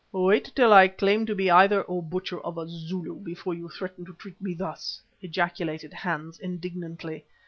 "Wait till I claim to be either, O butcher of a Zulu, before you threaten to treat me thus!" ejaculated Hans, indignantly.